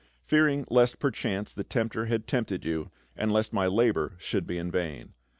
.... Fearing lest perchance the tempter had tempted you, and lest my labor should be in vain.